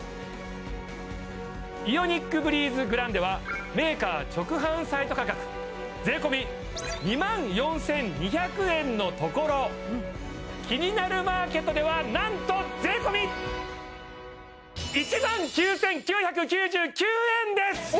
イオニックブリーズグランデはメーカー直販サイト価格税込２万４２００円のところ「キニナルマーケット」ではなんと税込１万９９９９円です！